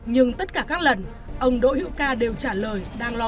nhưng tất cả các lần ông đỗ hữu ca đều trả lời đang lo lắng